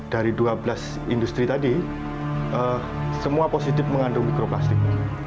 dari dua belas industri tadi semua positif mengandung mikroplastik